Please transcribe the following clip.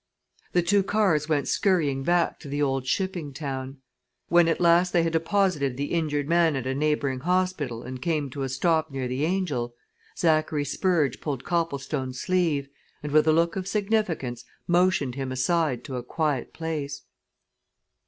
The two cars went scurrying back to the old shipping town. When at last they had deposited the injured man at a neighbouring hospital and came to a stop near the "Angel," Zachary Spurge pulled Copplestone's sleeve, and with a look full of significance, motioned him aside to a quiet place.